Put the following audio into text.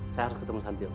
saya langsung ketemu santif